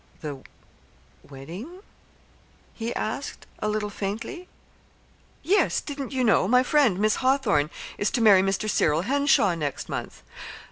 "The wedding?" he asked, a little faintly. "Yes. Didn't you know? My friend, Miss Hawthorn, is to marry Mr. Cyril Henshaw next month."